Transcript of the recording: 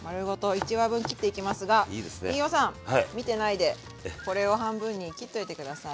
１ワ分切っていきますが飯尾さん見てないでこれを半分に切っといて下さい。